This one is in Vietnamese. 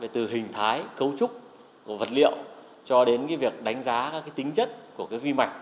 từ hình thái cấu trúc của vật liệu cho đến việc đánh giá các tính chất của vi mạch